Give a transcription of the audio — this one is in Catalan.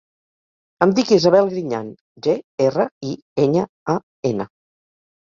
Em dic Isabel Griñan: ge, erra, i, enya, a, ena.